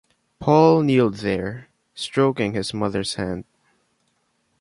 Paul kneeled there, stroking his mother’s hand.